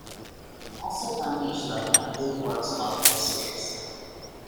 Also found in each level are blue orbs called life spheres.